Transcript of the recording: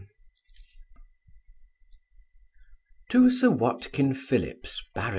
11. To Sir WATKIN PHILLIPS, Bart.